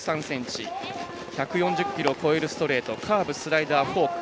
１４０キロを超えるストレートカーブ、スライダー、フォーク